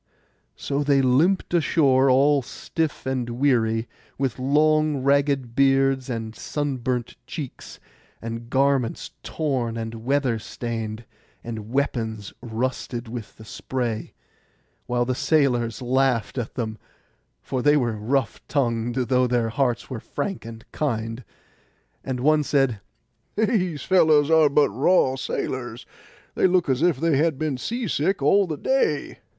So they limped ashore, all stiff and weary, with long ragged beards and sunburnt cheeks, and garments torn and weather stained, and weapons rusted with the spray, while the sailors laughed at them (for they were rough tongued, though their hearts were frank and kind). And one said, 'These fellows are but raw sailors; they look as if they had been sea sick all the day.